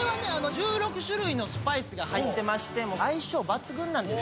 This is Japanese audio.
１６種類のスパイスが入ってまして相性抜群なんです